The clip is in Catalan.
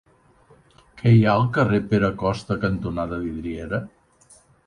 Què hi ha al carrer Pere Costa cantonada Vidrieria?